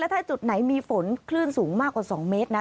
ถ้าจุดไหนมีฝนคลื่นสูงมากกว่า๒เมตรนะ